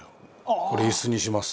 これ、イスにします。